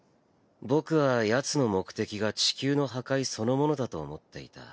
僕はヤツの目的が地球の破壊そのものだと思っていた。